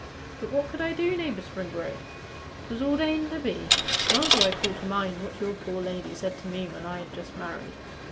But what could I do, naibour Springrove? 'Twas ordained to be. Well do I call to mind what your poor lady said to me when I had just married.